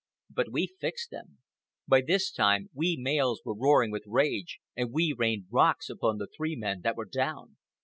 But we fixed them. By this time we males were roaring with rage, and we rained rocks upon the three men that were down.